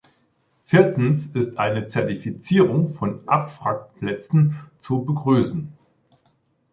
Viertens ist eine Zertifizierung von Abwrackplätzen zu begrüßen.